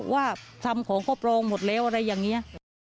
ว่าทำของครอบครองหมดแล้วอะไรอย่างนี้